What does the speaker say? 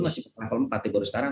masih level empat tapi baru sekarang